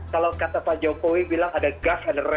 kalau kata pak jokowi bilang ada gas dan rep